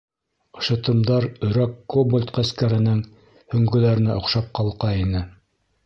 Шытымдар өрәк кобольд ғәскәренең һөңгөләренә оҡшап ҡалҡа ине.